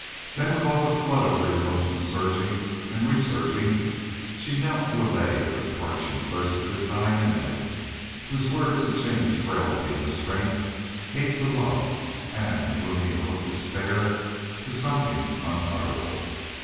Then with all the flood of her emotion surging and resurging she knelt to allay the parching thirst of this dying enemy whose words had changed frailty to strength, hate to love, and, the gloomy hell of despair to something unutterable.